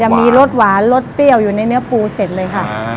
มีรสหวานรสเปรี้ยวอยู่ในเนื้อปูเสร็จเลยค่ะ